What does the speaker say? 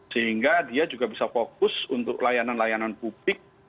sehingga dia juga bisa fokus untuk layanan layanan publik